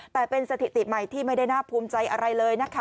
แต่เป็นสถิติใหม่ที่ไม่ได้น่าภูมิใจอะไรเลยนะคะ